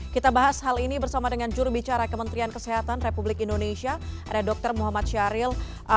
kita bahas hal ini bersama dengan jurubicara kementerian kesehatan republik indonesia ada dr muhammad syahril